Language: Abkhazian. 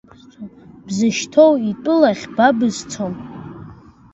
Бзышьҭоу итәылахь ба бызцом.